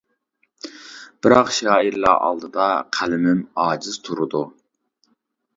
بىراق شائىرلا ئالدىدا، قەلىمىم ئاجىز تۇرىدۇ.